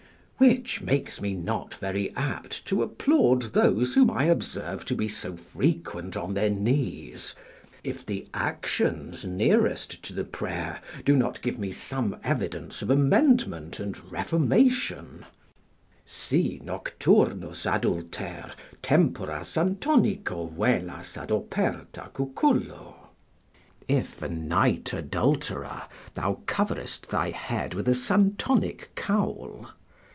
Which makes me not very apt to applaud those whom I observe to be so frequent on their knees, if the actions nearest to the prayer do not give me some evidence of amendment and reformation: "Si, nocturnus adulter, Tempora Santonico velas adoperta cucullo." ["If a night adulterer, thou coverest thy head with a Santonic cowl."